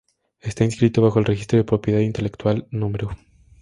Está inscrito bajo el registro de Propiedad Intelectual Nro.